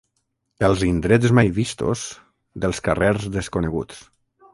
Els indrets mai vistos, dels carrers desconeguts.